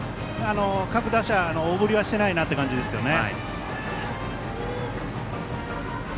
各打者、大振りはしていない感じですよね。